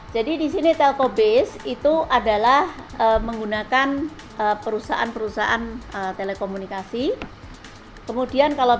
di sini telko base itu adalah menggunakan perusahaan perusahaan telekomunikasi kemudian kalau